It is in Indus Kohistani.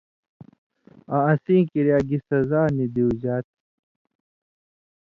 آں اسیں کِریا گی سزا نی دیُوژا تھی،